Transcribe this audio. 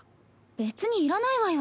別にいらないわよ